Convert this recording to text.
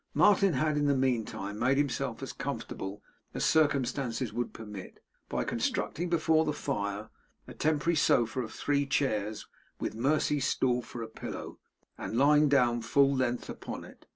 Martin had in the meantime made himself as comfortable as circumstances would permit, by constructing before the fire a temporary sofa of three chairs with Mercy's stool for a pillow, and lying down at full length upon it.